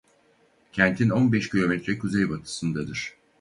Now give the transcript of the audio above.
Kentin on beş kilometre kuzeybatısındadır.